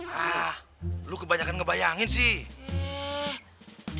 hah lo kebanyakan ngebayangin sih